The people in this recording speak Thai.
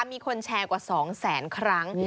มีคนแชร์กว่า๒แสนครั้ง